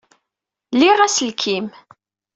Liɣ aselkim.